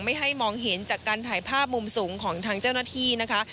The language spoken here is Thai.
ให้มองเห็นจากการถ่ายภาพมุมสูงของทางเจ้าหน้าที่นะคะ